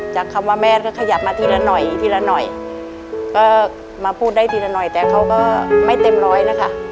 คำว่าแม่ก็ขยับมาทีละหน่อยทีละหน่อยก็มาพูดได้ทีละหน่อยแต่เขาก็ไม่เต็มร้อยแล้วค่ะ